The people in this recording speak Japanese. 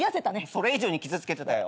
それ以上に傷つけてたよ。